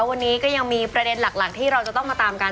วันนี้ก็ยังมีประเด็นหลักที่เราจะต้องมาตามกัน